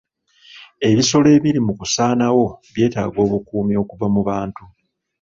Ebisolo ebiri mu kusaanawo byetaaga obukuumi okuva mu bantu.